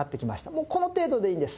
もうこの程度でいいんです。